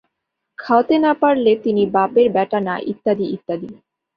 খাওয়াতে না-পারলে তিনি বাপের ব্যাটা না-ইত্যাদি ইত্যাদি।